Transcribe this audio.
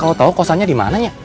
kang kalau tau kosannya dimananya